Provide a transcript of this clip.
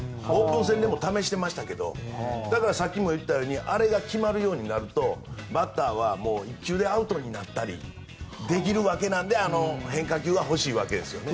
オープン戦でも試してましたけどさっきも言ったようにあれが決まるようになるとバッターは１球でアウトになったりできるわけなのであの変化球は欲しいわけです。